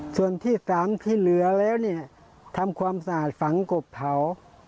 ส่วนที่๓ที่เหลือแล้วเนี่ยทำความสะอาดฝังกบเผา